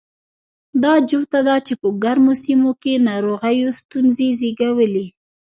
دا جوته ده چې په ګرمو سیمو کې ناروغیو ستونزې زېږولې.